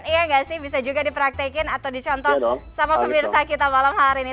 iya nggak sih bisa juga dipraktekin atau dicontoh sama pemirsa kita malam hari ini